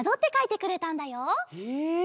へえ！